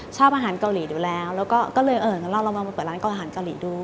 ชอบอาหารเกาหลีดูแล้วแล้วก็เลยเออเรามาเปิดร้านอาหารเกาหลีดู